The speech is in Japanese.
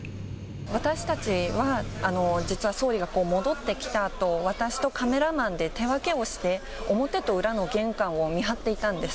私たちは実は、総理が戻ってきたあと、私とカメラマンで手分けをして、表と裏の玄関を見張っていたんです。